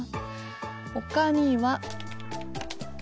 ほかには。